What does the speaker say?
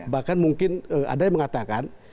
bahkan mungkin ada yang mengatakan